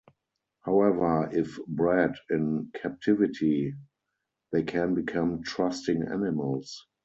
However, if bred in captivity, they can become trusting animals.